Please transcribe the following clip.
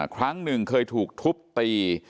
ครั้งหนึ่งเคยถูกทุบตี